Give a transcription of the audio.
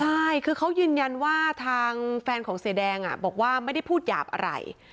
ใช่คือเขายืนยันว่าทางแฟนของเสียแดงบอกว่าไม่ได้พูดหยาบอะไร